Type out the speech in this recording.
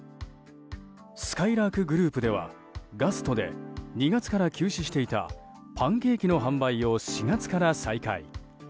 すかいらーくグループではガストで２月から休止していたパンケーキの販売を４月から再開。